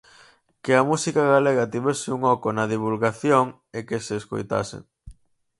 Que a música galega tivese un oco na divulgación e que se escoitase.